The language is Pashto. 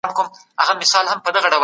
هغه د جمهور په نامه کتاب لیکلی دی.